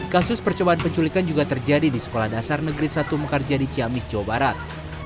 kasus percobaan penculikan juga terjadi di sekolah dasar negeri satu mekarja di ciamis jawa barat